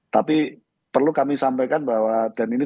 tapi perlu kami sampaikan bahwa dan ini